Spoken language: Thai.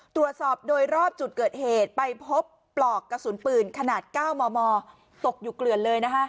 ตรวจสอบโดยรอบจุดเกิดเหตุไปพบปลอกกระสุนปืนขนาด๙มมตกอยู่เกลือนเลยนะคะ